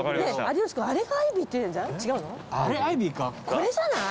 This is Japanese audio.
これじゃない？